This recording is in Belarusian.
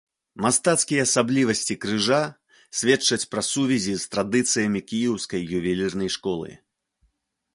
Мастацкія асаблівасці крыжа сведчаць пра сувязі з традыцыямі кіеўскай ювелірнай школы.